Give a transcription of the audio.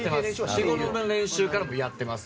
日ごろの練習からやってます。